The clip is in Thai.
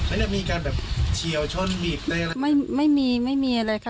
ไม่ได้มีการแบบเฉียวชนบีบในอะไรไม่ไม่มีไม่มีอะไรค่ะ